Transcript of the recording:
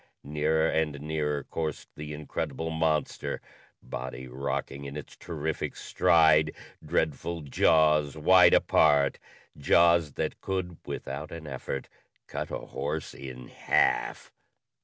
Nearer and nearer coursed the incredible monster, body rocking in its terrific stride, dreadful jaws wide apart jaws that could, without an effort, cut a horse in half.